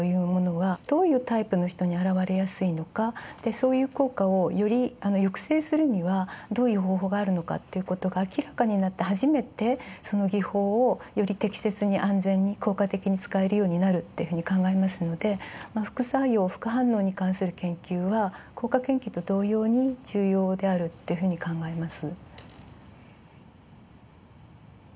そういう効果をより抑制するにはどういう方法があるのかということが明らかになって初めてその技法をより適切に安全に効果的に使えるようになるというふうに考えますのでまあ副作用副反応に関する研究は効果研究と同様に重要であるというふうに考えます。